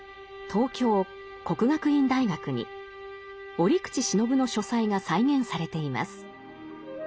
東京・國學院大學に折口信夫の書斎が再現されています。